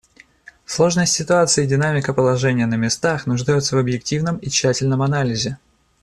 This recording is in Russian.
Сложность ситуации и динамика положения на местах нуждаются в объективном и тщательном анализе.